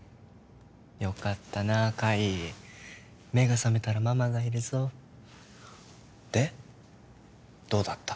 よかったな海目が覚めたらママがいるぞでどうだった？